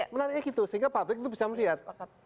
menariknya gitu sehingga publik itu bisa melihat